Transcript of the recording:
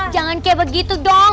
jangan kayak begitu dong